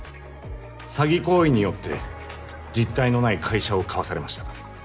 詐欺行為によって実体のない会社を買わされました。